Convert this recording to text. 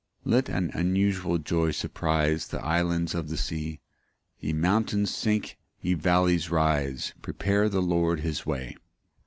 4 Let an unusual joy surprise The islands of the sea; Ye mountains, sink, ye vallies, rise, Prepare the Lord his way.